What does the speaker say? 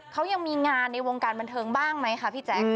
เขายังมีงานในวงการบันเทิงบ้างไหมคะพี่แจ๊ค